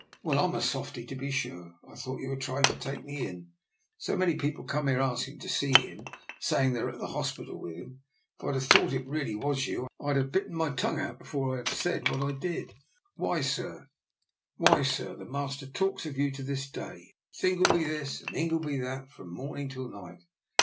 Well, I am a softy, to be sure. I thought you were try ing to take me in. So many people come here asking to see him, saying they were at the hospital with him. If I'd have thought it really was you, I'd have bitten my tongue out before I'd have said what I did. Why, sir, the master talks of you to this day: it's Ingleby this, and Ingleby that, from morning till night.